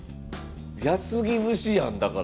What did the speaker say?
安来節やんだから。